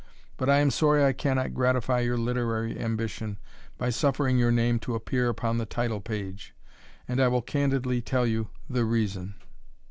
But I am sorry I cannot gratify your literary ambition, by suffering your name to appear upon the title page; and I will candidly tell you the reason.